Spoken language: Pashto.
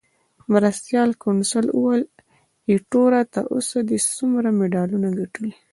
مرستیال کونسل وویل: ایټوره، تر اوسه دې څومره مډالونه ګټلي؟